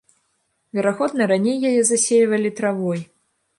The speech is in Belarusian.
Верагодна, раней яе засейвалі травой.